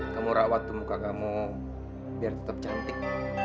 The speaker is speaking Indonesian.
kamu rawat tuh muka kamu biar tetep cantik